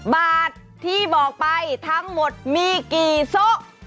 บาทที่บอกไปทั้งหมดมีกี่โซะ